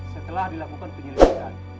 setelah dilakukan penyelesaian